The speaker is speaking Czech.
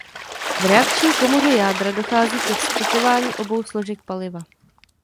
V reakční komoře jádra dochází ke vstřikování obou složek „paliva“.